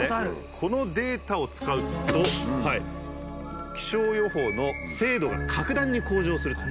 このデータを使うと気象予報の精度が格段に向上するということなんです。